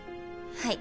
はい。